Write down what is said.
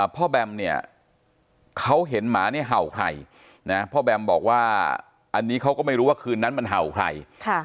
แบมเนี่ยเขาเห็นหมาเนี่ยเห่าใครนะพ่อแบมบอกว่าอันนี้เขาก็ไม่รู้ว่าคืนนั้นมันเห่าใคร